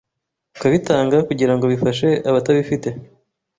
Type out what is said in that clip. ukabitanga kugira ngo bifashe abatabifite.